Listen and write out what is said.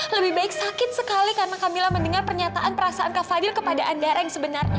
lebih baik sakit sekali karena kamilah mendengar pernyataan perasaan kak fadil kepada anda yang sebenarnya